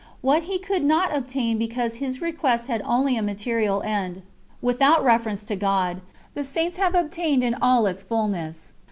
What he could not obtain because his request had only a material end, without reference to God, the Saints have obtained in all its fulness.